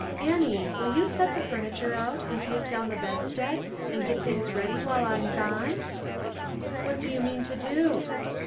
Annie, will you set the furniture out, and take down the bedstead, and get things ready while I am gone ?"" What do you mean to do